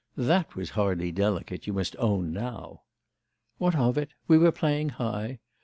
That was hardly delicate, you must own now.' 'What of it? We were playing high.